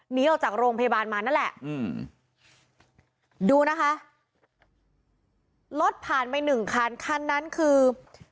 หนีออกจากโรงพยาบาลมานั่นแหละอืมดูนะคะรถผ่านไปหนึ่งคันคันนั้นคือ